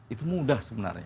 itu mudah sebenarnya